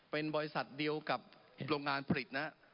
เป็นบริษัทเดียวกับโรงงานผลิตนะครับ